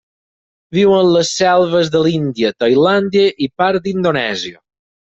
Viu en les selves de l'Índia, Tailàndia i part d'Indonèsia.